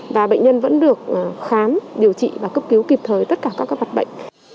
và bệnh nhân vẫn được khám điều trị và cấp cứu kịp thời tất cả các mặt bệnh